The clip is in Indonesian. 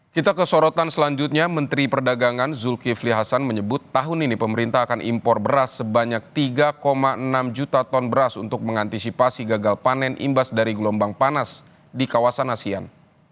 kita ke sorotan selanjutnya menteri perdagangan zulkifli hasan menyebut tahun ini pemerintah akan impor beras sebanyak tiga enam juta ton beras untuk mengantisipasi gagal panen imbas dari gelombang panas di kawasan asean